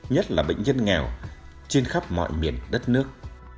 nhất là bệnh nhân nghèo trên khắp mọi miền đất nước